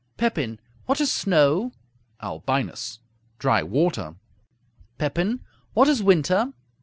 Pepin What is snow? Albinus Dry water. Pepin What is winter?